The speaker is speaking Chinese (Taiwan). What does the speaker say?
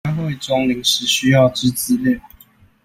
開會中臨時需要之資料